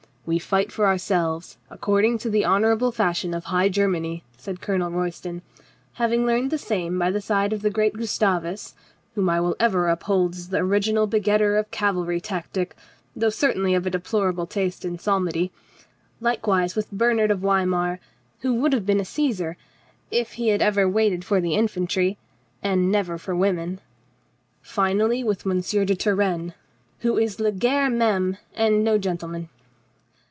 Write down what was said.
"We fight for ourselves, according to the honor able fashion of High Germany," said Colonel Roy ston. "Having learned the same by the side of the great Gustavus —" "Whom I will ever uphold as the original begetter of cavalry tactic, though certainly of a deplorable taste in psalmody." "Likewise with Bernhard of Weimar, who would have been a Caesar if he had ever waited for the in fantry and never for women." "Finally with M. de Turenne —" "Who is la guerre meme and no gentleman."